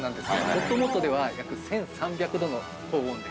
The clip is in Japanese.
ほっともっとでは約１３００度の高温で。